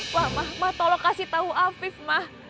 moh ma tolong kasih tau afif mah